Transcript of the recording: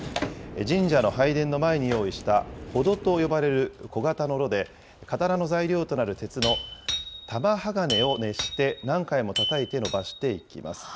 神社の拝殿の前に用意した火床と呼ばれる小型の炉で、刀の材料となる鉄の玉鋼を熱して何回もたたいて伸ばしていきます。